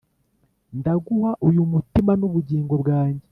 ndaguha uyu mutima n'ubugingo bwanjye !